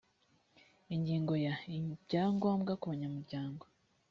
ingingo ya ibyangombwa kubanyamuryango